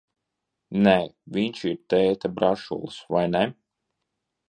Nē, viņš ir tēta brašulis, vai ne?